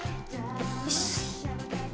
よし。